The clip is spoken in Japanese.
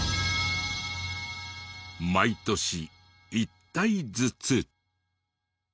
毎年１体ずつ。